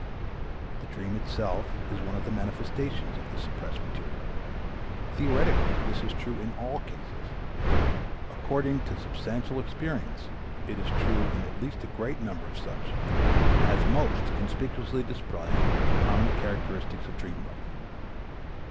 The dream itself is one of the manifestations of this suppressed material; theoretically, this is true in all cases; according to substantial experience it is true in at least a great number of such as most conspicuously display the prominent characteristics of dream life.